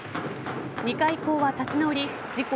２回以降は立ち直り自己